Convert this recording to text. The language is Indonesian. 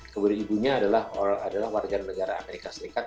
kemudian ibunya adalah warga negara amerika serikat